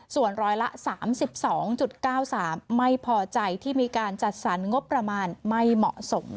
ส่วนร้อยละ๓๒๙๓ไม่พอใจที่มีการจัดสรรงบประมาณไม่เหมาะสม